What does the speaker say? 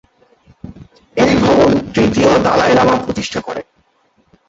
এই ভবন তৃতীয় দলাই লামা প্রতিষ্ঠা করেন।